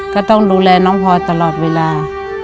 ก็ต้องดูแลน้องพลอยตลอดเวลา